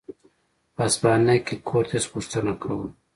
په هسپانیا کې کورتس غوښتنه کوله.